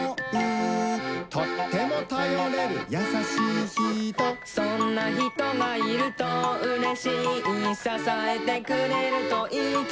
「とってもたよれるやさしいひと」「そんなひとがいるとうれしい」「ささえてくれるといいきもち」